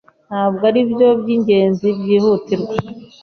Ntabwo aribyo byingenzi byihutirwa.